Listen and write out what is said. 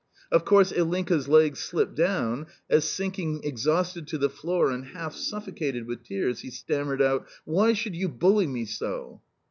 Of course Ilinka's legs slipped down as, sinking exhausted to the floor and half suffocated with tears, he stammered out: "Why should you bully me so?"